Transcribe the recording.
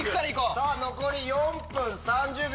残り４分３０秒。